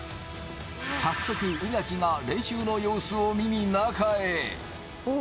早速、宇垣が練習の様子を見に中へ。